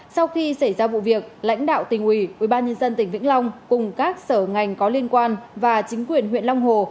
sau khi xảy ra vụ việc lãnh đạo tỉnh ủy ubnd tỉnh vĩnh long cùng các sở ngành có liên quan và chính quyền huyện long hồ